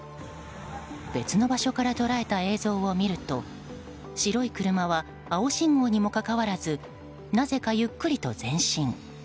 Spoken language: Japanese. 別の場所から捉えた映像を見ると白い車は青信号にもかかわらずなぜかゆっくりと前進。